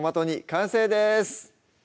完成です